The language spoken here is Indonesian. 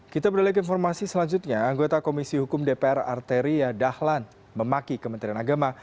kita beralih ke informasi selanjutnya anggota komisi hukum dpr arteria dahlan memaki kementerian agama